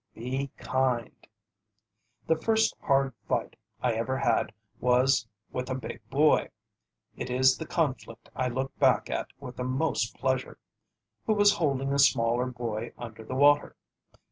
BE KIND The first hard fight I ever had was with a big boy it is the conflict I look back at with the most pleasure who was holding a smaller boy under the water.